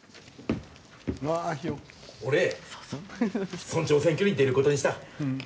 俺村長選挙に出ることにした。